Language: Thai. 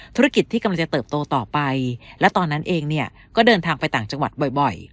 ธุรกิจที่กำลังจะเติบโตต่อไปและตอนนั้นเองเนี่ยก็เดินทางไปต่างจังหวัดบ่อย